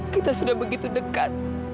kita sudah begitu dekat